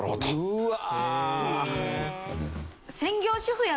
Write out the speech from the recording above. うわ！